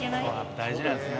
大事なんすね。